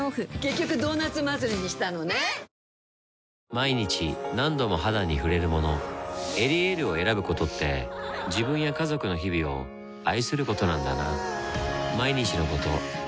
毎日何度も肌に触れるもの「エリエール」を選ぶことって自分や家族の日々を愛することなんだなぁ